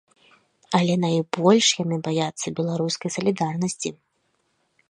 Але найбольш яны баяцца беларускай салідарнасці!